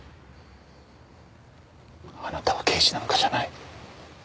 あなたは刑事なんかじゃない。